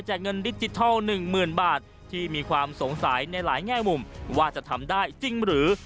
เงินดิจิทัล๑๐๐๐บาทที่มีความสงสัยในหลายแง่มุมว่าจะทำได้จริงหรือ